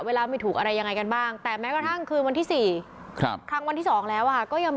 เวลาไม่ถูกอะไรยังไงกันบ้าง